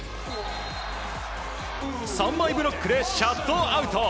３枚ブロックでシャットアウト！